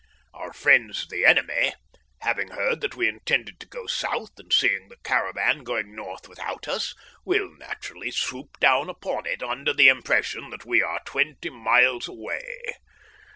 Our friends the enemy, having heard that we intended to go south, and seeing the caravan going north without us, will naturally swoop down upon it under the impression that we are twenty miles away.